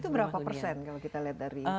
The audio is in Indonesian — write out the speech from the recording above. itu berapa persen kalau kita lihat dari